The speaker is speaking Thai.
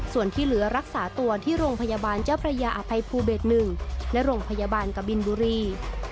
ส่วนที่เหลือรักษาตัวที่โรงพยาบาลเจ้าพระยาอภัยภูเบส๑และโรงพยาบาลกบินบุรี